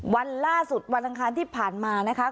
วันล่าสุดวันอังคารที่ผ่านมานะคะ